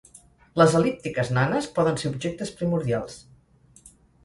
Les el·líptiques nanes poden ser objectes primordials.